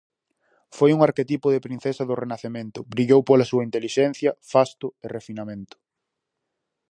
Foi un arquetipo de princesa do Renacemento: brillou pola súa intelixencia, fasto e refinamento.